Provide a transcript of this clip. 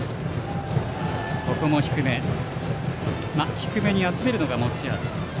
低めに集めるのが持ち味です。